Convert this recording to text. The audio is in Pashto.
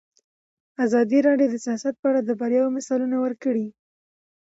ازادي راډیو د سیاست په اړه د بریاوو مثالونه ورکړي.